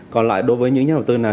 còn lại đối với những nhà đầu tư nào